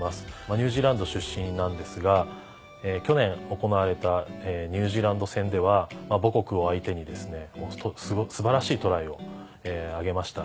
ニュージーランド出身なんですが去年行われたニュージーランド戦では母国を相手にですね素晴らしいトライを挙げました。